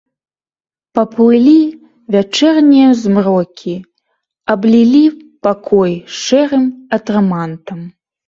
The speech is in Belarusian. Паплылі вячэрнія змрокі, аблілі пакой шэрым атрамантам.